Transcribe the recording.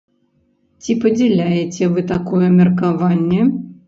Ці падзяляеце вы такое меркаванне?